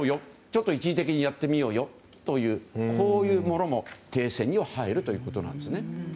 ちょっと一時的にやってみようというものも停戦には入るということです。